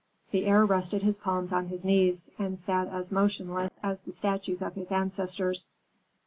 The heir rested his palms on his knees, and sat as motionless as the statues of his ancestors.